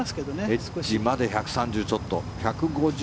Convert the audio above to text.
エッジまで１３０ちょっと。